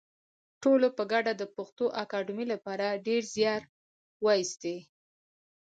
ټولو په ګډه د پښتو اکاډمۍ لپاره ډېر زیار وایستی